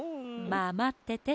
まあまってて。